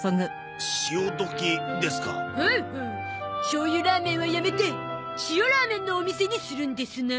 しょうゆラーメンはやめて塩ラーメンのお店にするんですな。